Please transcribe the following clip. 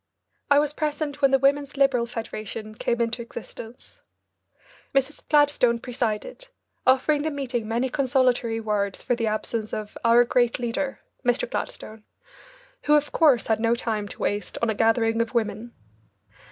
I was present when the Women's Liberal Federation came into existence. Mrs. Gladstone presided, offering the meeting many consolatory words for the absence of "our great leader," Mr. Gladstone, who of course had no time to waste on a gathering of women.